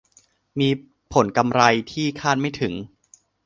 มีผลกำไรที่คาดไม่ถึง